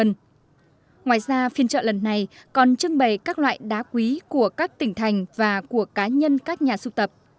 ngoài ra phiên trợ lần này còn trưng bày các loại đá quý của các tỉnh thành và của cá nhân các nhà sưu tập